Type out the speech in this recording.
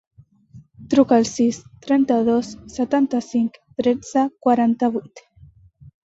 Truca al sis, trenta-dos, setanta-cinc, tretze, quaranta-vuit.